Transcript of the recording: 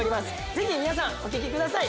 ぜひ皆さんお聴きください